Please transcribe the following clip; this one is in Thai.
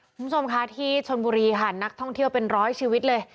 คุณผู้ชมค่ะที่ชนบุรีค่ะนักท่องเที่ยวเป็นร้อยชีวิตเลย